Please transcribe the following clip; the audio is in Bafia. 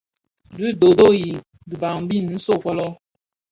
Dhi doodoo yi biban bin nso fōlō.